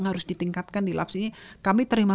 harus ditingkatkan di laps ini kami terima